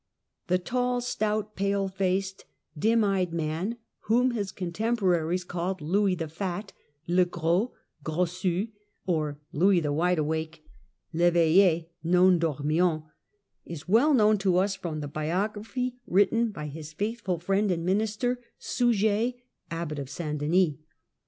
The tall, stout, pale faced, dim eyed man whom his Character contemporaries called Louis the Fat {Le Gros, Grossus), of Louir^ or Louis the " Wideawake " {LEveille, No7i dormiens), ^^• is well known to us from the biography written by his faithful friend and minister, Suger, Abbot of St Denis.